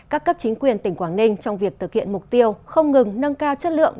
các cấp chính quyền tỉnh quảng ninh trong việc thực hiện mục tiêu không ngừng nâng cao chất lượng